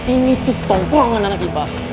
ini tuk tongkol sama anak rifa